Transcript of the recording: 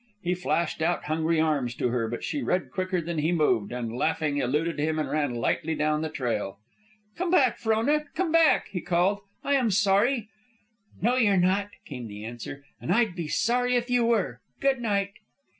He flashed out hungry arms to her, but she read quicker than he moved, and, laughing, eluded him and ran lightly down the trail. "Come back, Frona! Come back!" he called, "I am sorry." "No, you're not," came the answer. "And I'd be sorry if you were. Good night."